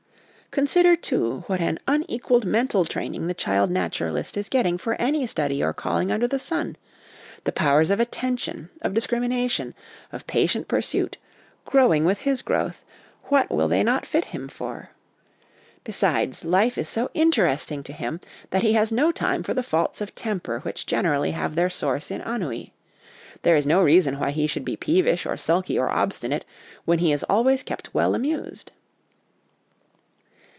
Con sider, too, what an unequalled mental training the child naturalist is getting for any study or calling under the sun the powers of attention, of discrimi nation, of patient pursuit, growing with his growth, what will they not fit him for? Besides, life is so 62 HOME EDUCATION interesting to him, that he has no time for the faults of temper which generally have their source in ennui \ there is no reason why he should be peevish or sulky or obstinate when he is always kept well amused.